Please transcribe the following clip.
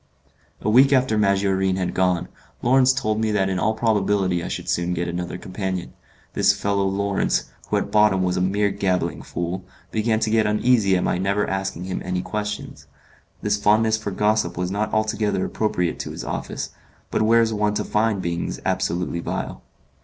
A week after Maggiorin had gone, Lawrence told me that in all probability I should soon get another companion. This fellow Lawrence, who at bottom was a mere gabbling fool, began to get uneasy at my never asking him any questions. This fondness for gossip was not altogether appropriate to his office, but where is one to find beings absolutely vile?